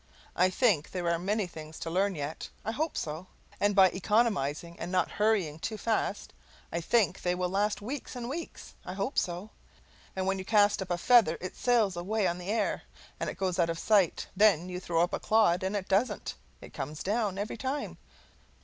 I think there are many things to learn yet I hope so; and by economizing and not hurrying too fast I think they will last weeks and weeks. I hope so. When you cast up a feather it sails away on the air and goes out of sight; then you throw up a clod and it doesn't. It comes down, every time.